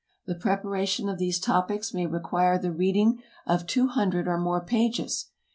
The preparation of these topics may require the reading of two hundred or more pages.